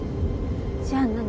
じゃあ何？